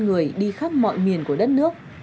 người đi khắp mọi miền của đất nước